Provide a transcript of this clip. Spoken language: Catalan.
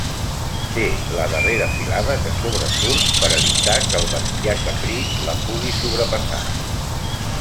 Té la darrera filada que sobresurt per evitar que el bestiar caprí la pugui sobrepassar.